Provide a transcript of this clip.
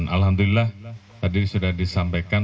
alhamdulillah tadi sudah disampaikan